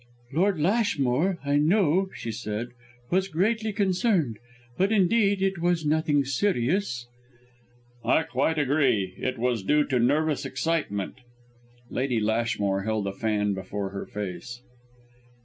"Lord Lashmore, I know," she said, "was greatly concerned, but indeed it was nothing serious " "I quite agree. It was due to nervous excitement." Lady Lashmore held a fan before her face.